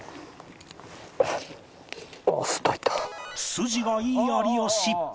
筋がいい有吉